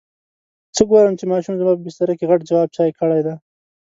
څه ګورم چې ماشوم زما په بستره کې غټ جواب چای کړی دی.